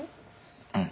うん。